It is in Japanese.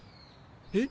えっ？